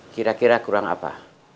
kira kira kurang apa